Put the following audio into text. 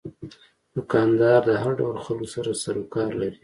دوکاندار د هر ډول خلکو سره سروکار لري.